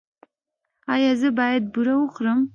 ایا زه باید بوره وخورم؟